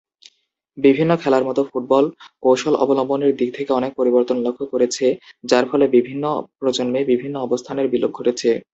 বিভিন্ন খেলার মতো ফুটবল, কৌশল অবলম্বনের দিক থেকে অনেক পরিবর্তন লক্ষ্য করেছে, যার ফলে বিভিন্ন প্রজন্মে বিভিন্ন অবস্থানের বিলোপ ঘটেছে।